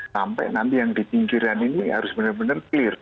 sampai nanti yang di pinggiran ini harus benar benar clear